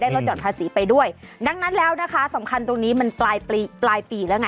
ลดหย่อนภาษีไปด้วยดังนั้นแล้วนะคะสำคัญตรงนี้มันปลายปลายปีแล้วไง